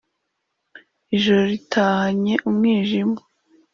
ijoro ritahanye umwijima